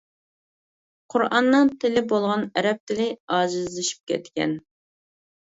قۇرئاننىڭ تىلى بولغان ئەرەب تىلى ئاجىزلىشىپ كەتكەن.